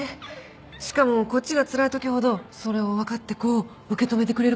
しかもこっちがつらい時ほどそれをわかってこう受け止めてくれるからさ。